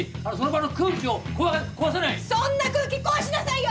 そんな空気壊しなさいよ！